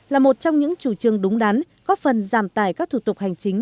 là một trong những chủ trương đúng đắn góp phần giảm tải các thủ tục hành chính